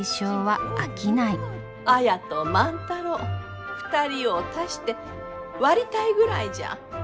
綾と万太郎２人を足して割りたいぐらいじゃ。